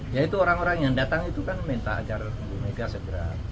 ya itu orang orang yang datang itu kan minta agar ibu mega segera